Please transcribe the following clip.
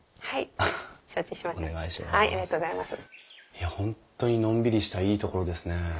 いや本当にのんびりしたいいところですね。